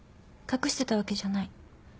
隠してたわけじゃない。